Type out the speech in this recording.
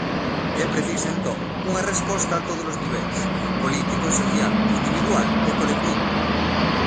É precisa entón unha resposta a tódolos niveis, político e social, individual e colectivo.